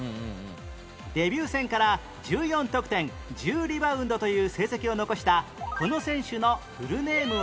デビュー戦から１４得点１０リバウンドという成績を残したこの選手のフルネームは？